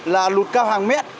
là lụt cao hàng mét